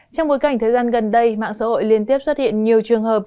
trong bối cảnh thời gian gần đây mạng xã hội liên tiếp xuất hiện nhiều trường hợp